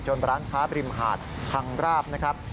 ร้านค้าบริมหาดพังราบนะครับ